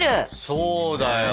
そうだよ。